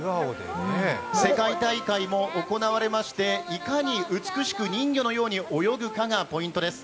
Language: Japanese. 世界大会も行われましていかに美しく人魚のように泳ぐかがポイントです。